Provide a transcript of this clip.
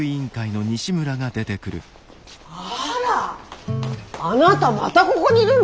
あらあなたまたここにいるの？